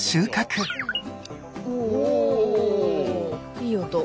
いい音。